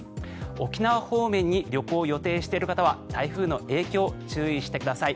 沖縄方面に旅行を予定している方は台風の影響、注意してください。